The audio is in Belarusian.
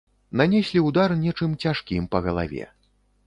Нанеслі ўдар нечым цяжкім па галаве.